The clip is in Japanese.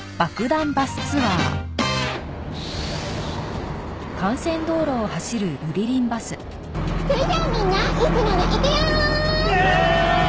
それじゃあみんないつものいくよ！